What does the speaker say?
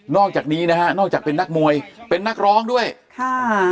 อกจากนี้นะฮะนอกจากเป็นนักมวยเป็นนักร้องด้วยค่ะ